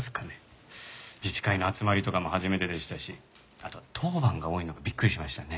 自治会の集まりとかも初めてでしたしあと当番が多いのもびっくりしましたね。